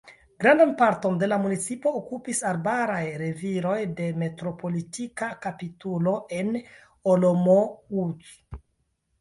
Grandan parton de la municipo okupis arbaraj reviroj de Metropolita kapitulo en Olomouc.